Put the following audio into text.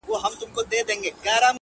ځيني خلک غوسه دي او ځيني خاموش ولاړ دي-